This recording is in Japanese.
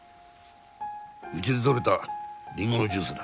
うちで採れたりんごのジュースだ。